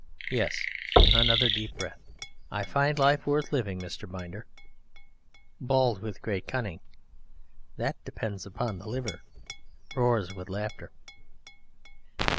Yes, (another deep breath) I find life worth living, Mr. Binder. BALD (with great cunning): That depends upon the liver. (_Roars with laughter.